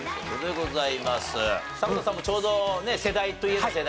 迫田さんもちょうどね世代といえば世代。